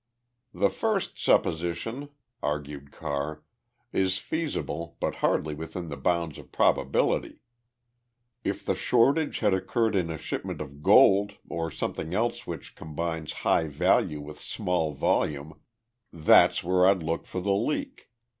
"The first supposition," argued Carr, "is feasible but hardly within the bounds of probability. If the shortage had occurred in a shipment of gold or something else which combines high value with small volume, that's where I'd look for the leak.